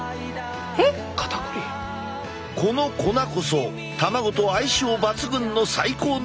この粉こそ卵と相性抜群の最高のパートナーだ。